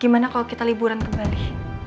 gimana kalau kita liburan kembali